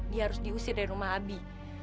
dia harus diusir dari rumah abi